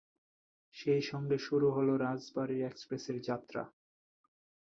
সেই সঙ্গে শুরু হলো রাজবাড়ী এক্সপ্রেসের যাত্রা।